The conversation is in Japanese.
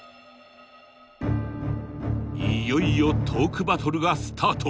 いよいよトークバトルがスタート。